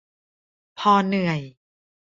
พอเหนื่อย